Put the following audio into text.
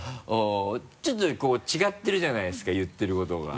ちょっとこう違ってるじゃないですか言ってることが。